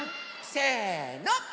せの！